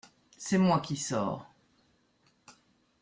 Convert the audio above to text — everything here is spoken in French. C’est moi qui sors…